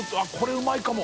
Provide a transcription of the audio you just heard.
海うまいかも！